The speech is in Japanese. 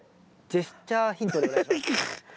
ジェスチャーヒント。